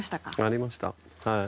なりました、はい。